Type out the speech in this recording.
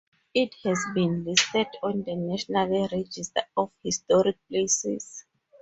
It has been listed on the National Register of Historic Places.